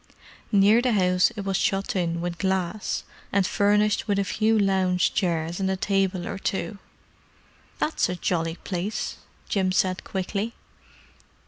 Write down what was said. Near the house it was shut in with glass, and furnished with a few lounge chairs and a table or two. "That's a jolly place!" Jim said quickly.